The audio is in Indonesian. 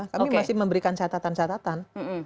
kami masih memberikan catatan catatan